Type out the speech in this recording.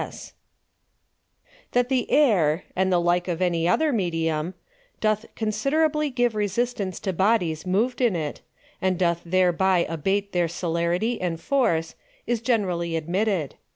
S. S._ 1. That the Air (and the like of any other Medium) doth considerably give Resistance to Bodies moved in it; and doth thereby abate their Celerity and Force; is generally admitted.